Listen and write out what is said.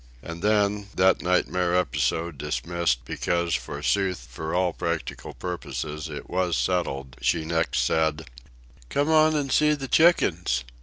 And then, that nightmare episode dismissed because, forsooth, for all practical purposes—it was settled, she next said: "Come on and see the chickens."